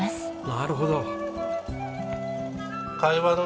なるほど。